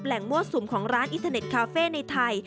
มั่วสุมของร้านอินเทอร์เน็ตคาเฟ่ในไทย